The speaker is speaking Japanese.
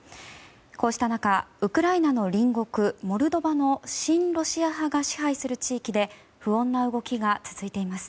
こうした中ウクライナの隣国、モルドバの親ロシア派が支配する地域で不穏な動きが続いています。